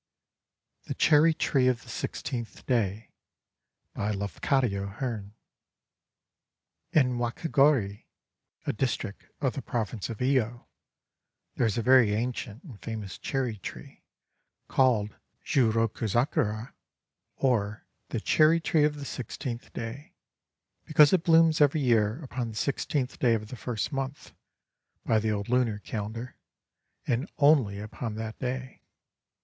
THE CHERRY TREE OF THE SIXTEENTH DAY BY LAFCADIO HEARN In Wakegori, a district of the Province of lyo, there is a very ancient and famous cherry tree, called Jiu roku zakura, or "The Cherry Tree of the Sixteenth Day," because it blooms every year upon the sixteenth day of the first month (by the old lunar calendar), — and only upon that day.